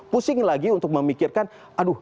pusing lagi untuk memikirkan aduh